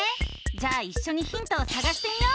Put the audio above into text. じゃあいっしょにヒントをさがしてみよう！